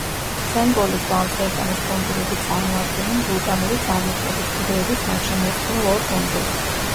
სენ-პოლის და ამსტერდამის კუნძულები წარმოადგენენ ვულკანური წარმოშობის, კლდეებით გარშემორტყმულ ორ კუნძულს.